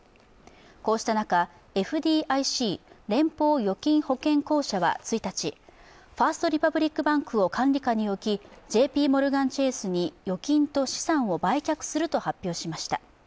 こうした中、ＦＤＩＣ＝連邦預金保険公社は１日、１日、ファースト・リパブリック・バンクを管理下に置きＪＰモルガン・チェースに預金と資産を売却すると発表しました。